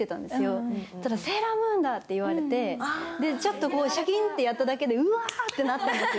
そうしたら、セーラームーンだって言われて、ちょっと、しゃきーんってやっただけで、うわーってなったんですよ。